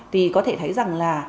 thì có thể thấy rằng là